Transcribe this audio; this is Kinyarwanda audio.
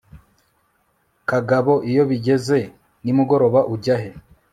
kagabo iyo bigeze nimugoroba ujya he